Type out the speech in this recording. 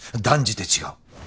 断じて違う